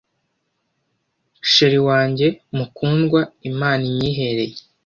chr wanjye mukundwa imana inyihereye